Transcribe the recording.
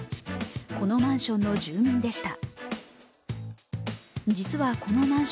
このマンションの住民でした。